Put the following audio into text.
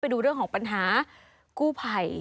ดูเรื่องของปัญหากู้ภัย